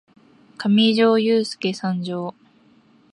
かみじょーゆーすーけ参上！